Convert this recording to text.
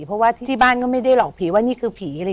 เพราะว่าที่บ้านก็ไม่ได้หลอกผีว่านี่คือผี